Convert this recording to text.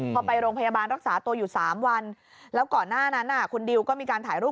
พอไปโรงพยาบาลรักษาตัวอยู่๓วันแล้วก่อนหน้านั้นคุณดิวก็มีการถ่ายรูป